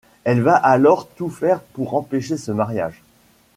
Elle va alors tout faire pour empêcher ce mariage.